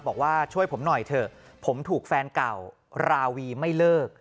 บอกว่าช่วยผมหน่อยเถอะผมถูกแฟนเก่าราวีไม่เลิก